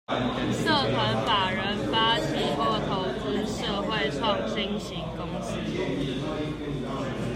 社團法人發起或投資社會創新型公司